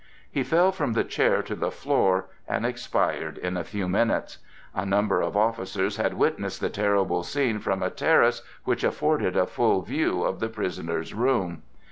He fell from the chair to the floor and expired in a few minutes. A number of officers had witnessed the terrible scene from a terrace which afforded a full view of the prisoner's room.